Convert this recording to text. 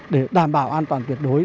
để đảm bảo an toàn tuyệt đối